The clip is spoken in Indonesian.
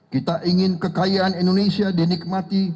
kita ingin kekayaan indonesia dinikmati